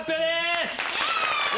イエーイ！